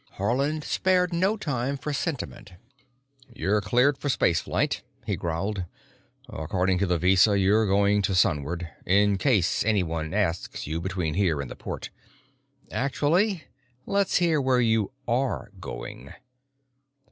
Haarland spared no time for sentiment. "You're cleared for space flight," he growled. "According to the visa, you're going to Sunward—in case anyone asks you between here and the port. Actually, let's hear where you are going."